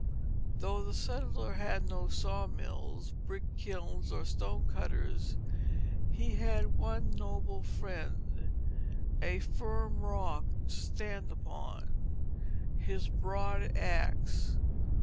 Though the settler had no sawmills, brick kilns, or stone cutters, he had one noble friend, a firm rock to stand upon, his broad axe.